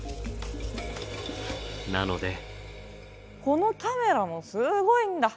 このカメラもすごいんだ。